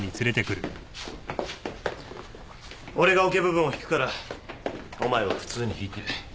俺がオケ部分を弾くからお前は普通に弾いて。